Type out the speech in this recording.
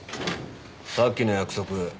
さっきの約束